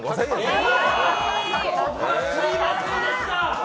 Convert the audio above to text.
うわっ、すいませんでした！